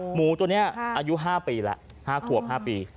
หมูตัวนี้อายุ๕ปีแล้ว๕ขวบ๕ปี